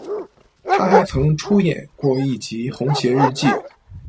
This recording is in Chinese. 他还曾出演过一集《红鞋日记》。